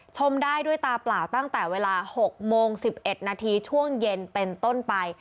ชมได้ด้วยตาเปล่าตั้งแต่เวลา๖โมง๑๑นาทีช่วงเย็นเป็นต้นไป